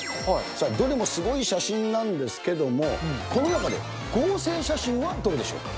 さあ、どれもすごい写真なんですけども、この中で合成写真はどれでしょうか？